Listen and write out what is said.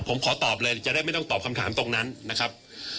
ผมขอตอบเลยจะได้ไม่ต้องตอบคำถามตรงนั้นนะครับ